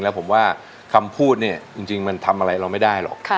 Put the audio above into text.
แล้วผมว่าคำพูดเนี่ยจริงมันทำอะไรเราไม่ได้หรอก